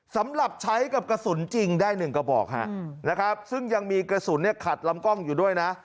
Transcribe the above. สำหรับใช้กับกระสุนจริงได้หนึ่งกระบอกฮะนะครับซึ่งยังมีกระสุนเนี่ยขัดลำกล้องอยู่ด้วยนะ